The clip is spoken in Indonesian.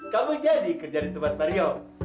kamu jadi kerja di tempat pak rio